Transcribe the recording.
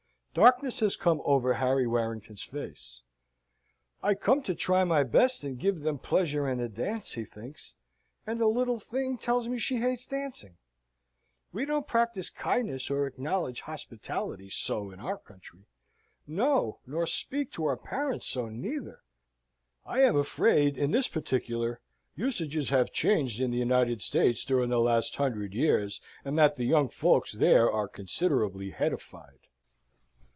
Darkness has come over Harry Warrington's face. "I come to try my best, and give them pleasure and a dance," he thinks, "and the little thing tells me she hates dancing. We don't practise kindness, or acknowledge hospitality so in our country. No nor speak to our parents so, neither." I am afraid, in this particular usages have changed in the United States during the last hundred years, and that the young folks there are considerably Hettified.